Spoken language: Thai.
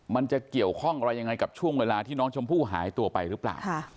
มันจะเกี่ยวข้องอะไรยังไงกับช่วงเวลาที่น้องชมพู่หายตัวไปหรือเปล่า